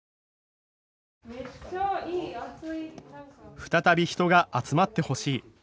再び人が集まってほしい。